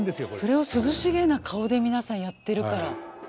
それを涼しげな顔で皆さんやってるから。